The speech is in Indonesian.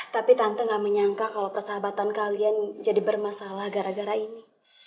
tapi tante gak menyangka kalau persahabatan kalian jadi bermasalah gara gara ini